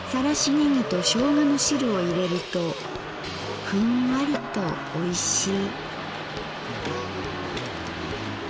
ねぎとしょうがの汁をいれるとフンワリとおいしい」。